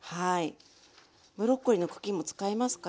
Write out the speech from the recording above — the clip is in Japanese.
ブロッコリーの茎も使いますか？